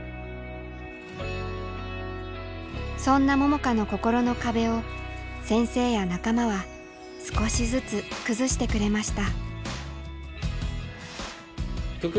そんな桃佳の心の壁を先生や仲間は少しずつ崩してくれました。